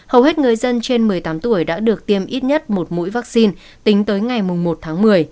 hầu hết người dân trên một mươi tám tuổi đã được tiêm ít nhất một mũi vaccine tính tới ngày một tháng một mươi